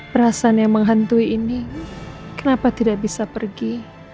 perasaan yang menghantui ini kenapa tidak bisa pergi